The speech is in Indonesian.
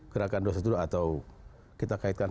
gerakan dua ratus dua belas atau kita kaitkan